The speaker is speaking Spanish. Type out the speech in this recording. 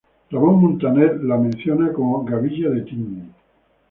Ramón Muntaner la menciona como gavilla de Tin.